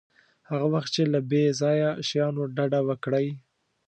هغه وخت چې له بې ځایه شیانو ډډه وکړئ.